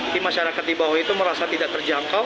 di masyarakat di bawah itu merasa tidak terjangkau